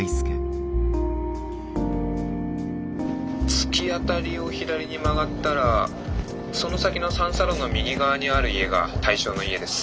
突き当たりを左に曲がったらその先の三差路の右側にある家が対象の家です。